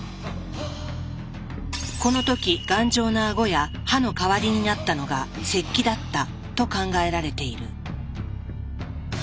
この時頑丈なあごや歯の代わりになったのが石器だったと考えられている。